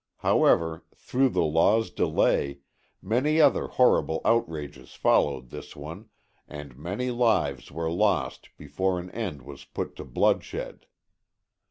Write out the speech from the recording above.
However, through the law's delay, many other horrible outrages followed this one, and many lives were lost before an end was put to bloodshed.